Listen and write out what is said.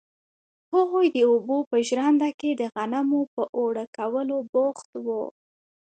هغوی د اوبو په ژرنده کې د غنمو په اوړه کولو بوخت وو.